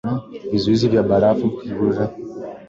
vizuizi vya barafu havikupasa kuwepo kwa wakati huo